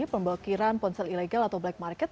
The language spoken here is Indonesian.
pemblokiran ponsel ilegal atau black market